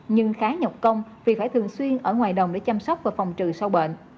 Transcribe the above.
nhưng khá nhọc công vì phải thường xuyên ở ngoài đồng để chăm sóc và phòng trừ sâu bệnh